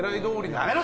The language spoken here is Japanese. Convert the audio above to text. やめろ！